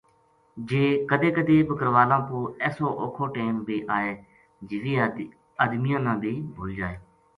جے کَدے کَدے بکروالاں پو ایسو اوکھا ٹیم بے آئے جے ویہ ادمیاں نا بے بھُل جائے